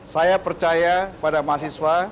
saya percaya pada mahasiswa